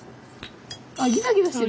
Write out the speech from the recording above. あっギザギザしてる。